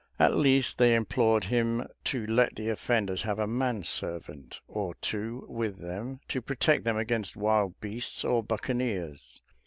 At least they implored him to let the offenders have a man servant or two with them to protect them against wild beasts or buccaneers.